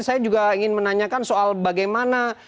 saya juga ingin menanyakan soal bagaimana